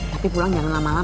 tapi pulang jangan lama lama